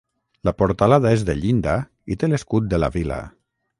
La portalada és de llinda i té l'escut de la vila.